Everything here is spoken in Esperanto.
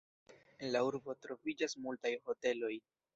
En la urbo troviĝas multaj hoteloj.